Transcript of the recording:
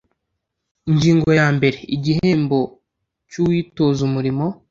ingingo ya mbere igihembo cy uwitoza umurimo